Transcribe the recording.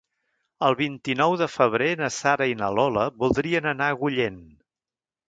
El vint-i-nou de febrer na Sara i na Lola voldrien anar a Agullent.